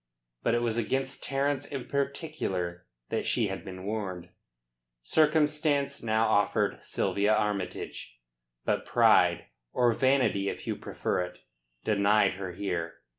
But it was against Terence in particular that she had been warned. Circumstance now offered Sylvia Armytage. But pride, or vanity if you prefer it, denied her here.